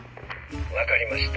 分かりました。